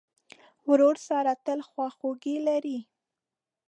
ورور سره تل خواخوږی لرې.